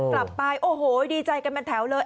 กลับไปโอ้โหดีใจกันเป็นแถวเลย